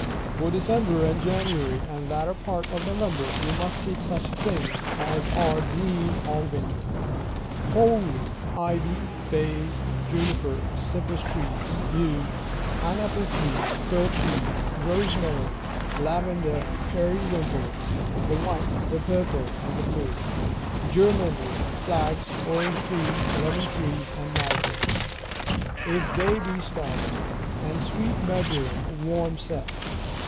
For December, and January, and the latter part of November, you must take such things as are green all winter: holly; ivy; bays; juniper; cypress trees; yew; pine apple trees; fir trees; rosemary; lavender; periwinkle, the white, the purple, and the blue; germander; flags; orange trees; lemon trees; and myrtles, if they be stoved; and sweet marjoram, warm set.